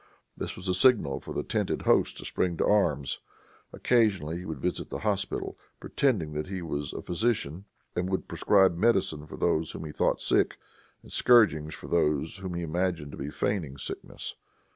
This was a signal for the tented host to spring to arms. Occasionally he would visit the hospital, pretending that he was a physician, and would prescribe medicine for those whom he thought sick, and scourgings for those whom he imagined to be feigning sickness.